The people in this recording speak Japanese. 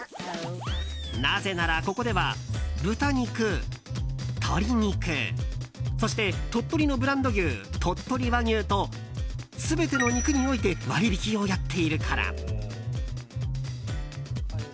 なぜなら、ここでは豚肉、鶏肉そして鳥取のブランド牛・鳥取和牛と全ての肉において割引きをやっているから。